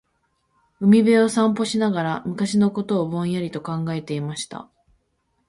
•海辺を散歩しながら、昔のことをぼんやりと考えていました。